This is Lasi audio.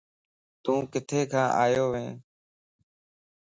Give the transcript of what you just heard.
تون ڪٿي کان آيو وئين ؟